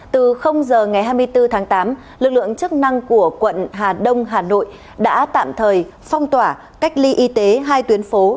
từ giờ ngày hai mươi bốn tháng tám lực lượng chức năng của quận hà đông hà nội đã tạm thời phong tỏa cách ly y tế hai tuyến phố